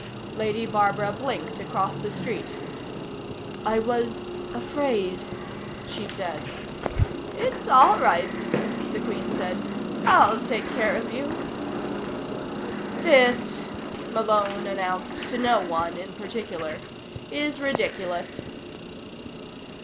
Lady Barbara blinked across the seat. "I was afraid," she said. "It's all right," the Queen said. "I'll take care of you." "This," Malone announced to no one in particular, "is ridiculous."